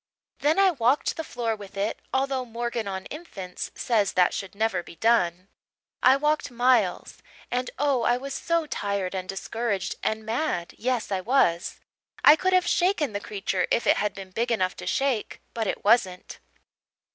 Then I walked the floor with it although 'Morgan on Infants' says that should never be done. I walked miles, and oh, I was so tired and discouraged and mad yes, I was. I could have shaken the creature if it had been big enough to shake, but it wasn't.